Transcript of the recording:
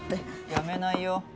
やめないよ。